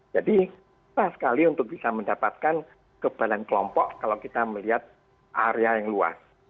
jadi salah sekali untuk bisa mendapatkan kekebalan kelompok kalau kita melihat area yang luas